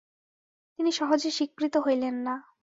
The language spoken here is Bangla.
তিনি সহজে স্বীকৃত হইলেন না।